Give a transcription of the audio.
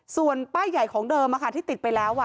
ส่วนป้ายใหญ่ของเดิมที่ติดไปแล้ว